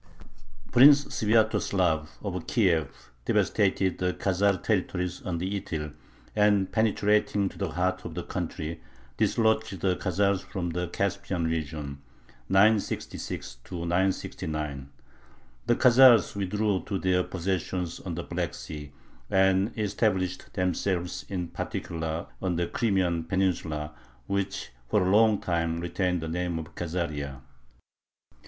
Prince Svyatoslav of Kiev devastated the Khazar territories on the Ityl, and, penetrating to the heart of the country, dislodged the Khazars from the Caspian region (966 969). The Khazars withdrew to their possessions on the Black Sea, and established themselves in particular on the Crimean Peninsula, which for a long time retained the name of Khazaria.